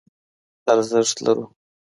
ارزښت لرو.